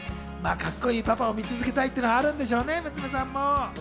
カッコいいパパを見続けたいっていうのがあるんでしょうね、娘さんも。